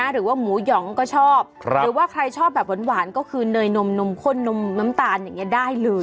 หรือว่าหมูหยองก็ชอบหรือว่าใครชอบแบบหวานก็คือเนยนมนมข้นนมน้ำตาลอย่างนี้ได้เลย